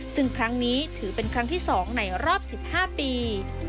ซึ่งครั้งนี้ถือเป็นครั้งที่๒ในรอบ๑๕ปี